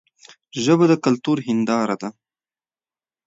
ژبه د کلتور هنداره ده.